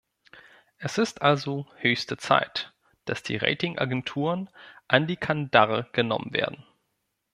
Es ist also höchste Zeit, dass die Rating-Agenturen an die Kandare genommen werden.